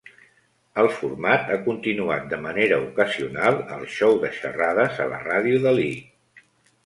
El format ha continuat de manera ocasional al show de xerrades a la ràdio de Lee.